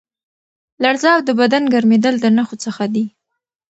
لړزه او د بدن ګرمېدل د نښو څخه دي.